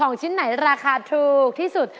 ชิ้นไหนราคาถูกที่สุด